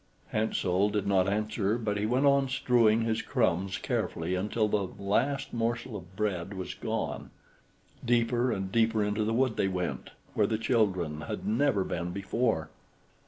Hansel did not answer, but he went on strewing his crumbs carefully until the last morsel of bread was gone. Deeper and deeper into the wood they went, where the children had never been before.